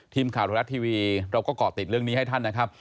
ทีมข่าวไทยรัฐทีวีเราก็เกาะติดเรื่องนี้ให้ท่านนะครับ